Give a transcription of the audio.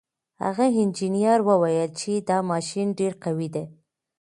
هغه انجنیر وویل چې دا ماشین ډېر قوي دی.